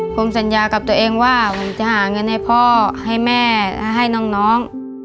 ผมสัญญากับตัวเองว่าผมจะหาเงินให้พ่อให้แม่ให้น้อง